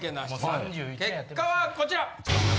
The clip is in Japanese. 結果はこちら。